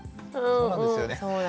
そうなんですよね。